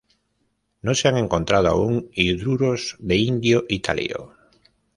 No se han encontrado aún hidruros de indio y talio.